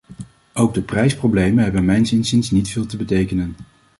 Ook de prijsproblemen hebben mijns inziens niet veel te betekenen.